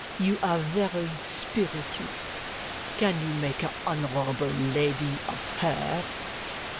You are very spiritual. Can you make a honourable lady of her?"